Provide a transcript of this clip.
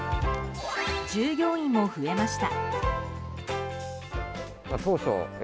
従業員も増えました。